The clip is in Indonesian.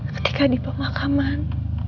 ketika di pemakaman